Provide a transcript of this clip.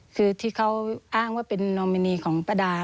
คือที่เขาอ้างว่าเป็นนอมินีของป้าดา